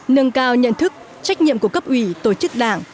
nâng cao nhận thức trách nhiệm của cấp ủy tổ chức đảng